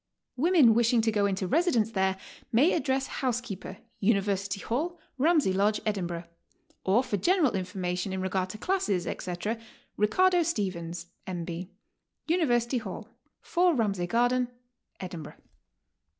Women wishing to go into residence there may address Housekeeper, University Hall, Ramsay Lodge, Edinburgh, or for general information in regard to classes, etc., Ricardo Stephens, M. B., University Hall, 4 Ramsay Garden, Edinburgh.